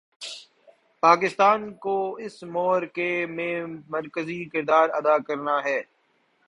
پاکستان کو اس معرکے میں مرکزی کردار ادا کرنا ہے۔